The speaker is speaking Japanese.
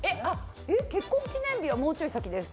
え、結婚記念日はもうちょい先です。